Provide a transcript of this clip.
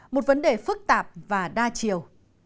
một vấn đề phức tạp và đa chiều